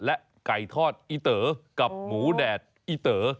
และไก่ทอดอีเต๋อกับหมูแดดอีเต๋อ